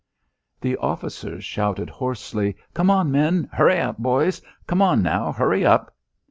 The officers shouted hoarsely, "Come on, men! Hurry up, boys! Come on now! Hurry up!"